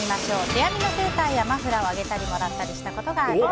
手編みのセーターやマフラーをあげたりもらったりしたことがある？